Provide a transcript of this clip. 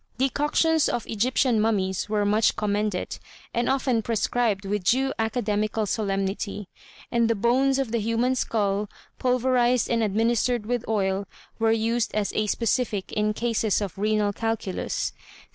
Decoctions of Egyptian mummies were much commended, and often prescribed with due academical solemnity; and the bones of the human skull, pulverized and administered with oil, were used as a specific in cases of renal calculus.